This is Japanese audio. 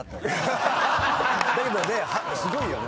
だけどねすごいよね。